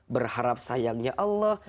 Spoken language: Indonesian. berharap sayangnya allah